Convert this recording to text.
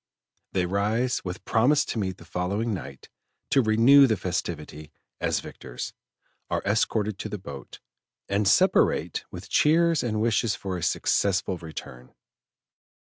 They rise with promise to meet the following night to renew the festivity as victors, are escorted to the boat, and separate with cheers and wishes for a successful return.